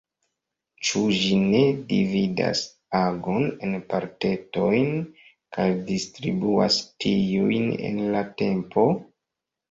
Ĉu ĝi ne dividas agon en partetojn kaj distribuas tiujn en la tempo?